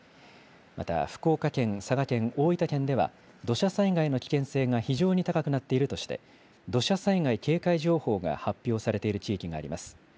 また福岡県、佐賀県、大分県、土砂災害の危険性が非常に高くなっているとして、土砂災害警戒情報が発表されている地域があります。